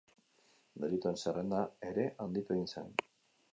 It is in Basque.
Delituen zerrenda ere handitu egin zen.